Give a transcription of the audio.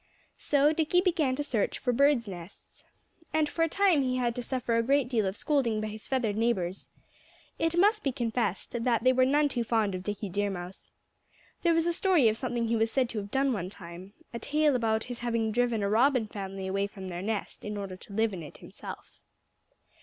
So Dickie began to search for birds' nests. And for a time he had to suffer a great deal of scolding by his feathered neighbors. It must be confessed that they were none too fond of Dickie Deer Mouse. There was a story of something he was said to have done one time a tale about his having driven a Robin family away from their nest, in order to live in it himself.